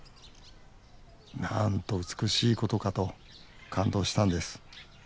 なんと美しいことかと感動したんです。